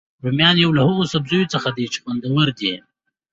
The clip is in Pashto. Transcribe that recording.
رومیان یو له هغوسبزیو څخه دي چې خوندور دي